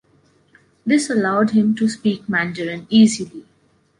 This allowed him to speak Mandarin easily.